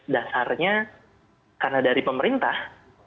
dasarnya karena dari pemerintah